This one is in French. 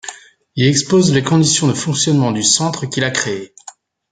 Il y expose les conditions de fonctionnement du centre qu’il a créé.